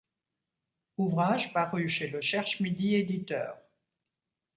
Ouvrages parus chez Le Cherche midi Éditeur.